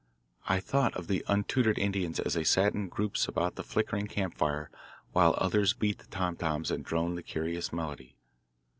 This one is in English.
I thought of the untutored Indians as they sat in groups about the flickering camp fire while others beat the tom toms and droned the curious melody.